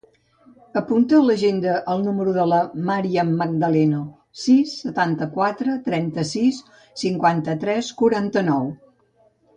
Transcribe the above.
Apunta a l'agenda el número de la Màriam Magdaleno: sis, setanta-quatre, trenta-sis, cinquanta-tres, quaranta-nou.